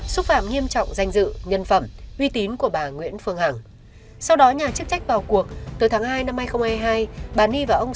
xúc phạm danh dự quy tín nhân phẩm cá nhân của bà hằng ông dũng